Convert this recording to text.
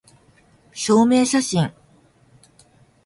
証明写真